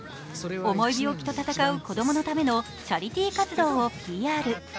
重い病気と闘う子供のためのチャリティー活動をＰＲ。